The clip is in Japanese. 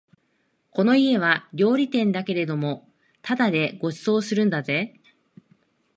この家は料理店だけれどもただでご馳走するんだぜ